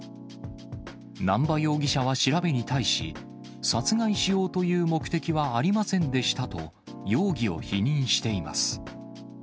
南波容疑者は調べに対し、殺害しようという目的はありませんでしたと、容疑を否認しています。